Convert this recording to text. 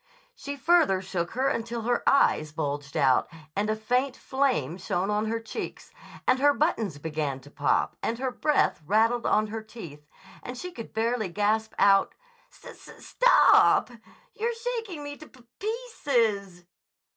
She further shook her until her eyes bulged out and a faint flame shone on her cheeks, and her buttons began to pop, and her breath rattled on her teeth, and she could barely gasp out: "St t t top! You're shaking me to p p pieces!"